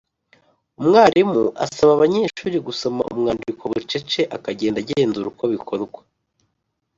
Umwarimu asaba abanyeshuri gusoma umwandiko bucece akagenda agenzura uko bikorwa.